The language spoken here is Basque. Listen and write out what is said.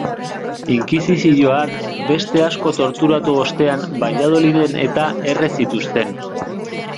Inkisizioak beste asko torturatu ostean Valladoliden-eta erre zituzten.